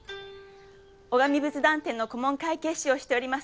尾上仏壇店の顧問会計士をしております